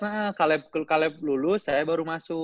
nah kaleb lulus saya baru masuk